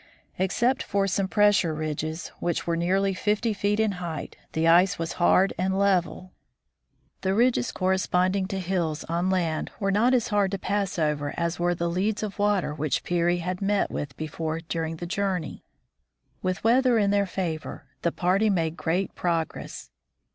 Except for some pressure ridges which were nearly fifty feet in height, the ice was hard and level. THE DISCOVERY OF THE NORTH POLE 165 The ridges corresponding to hills on land were not as hard to pass over as were the leads of water which Peary had met with before during the journey. With weather in their favor the party made great prog ress.